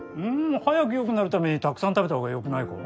早くよくなるためにたくさん食べた方がよくないか？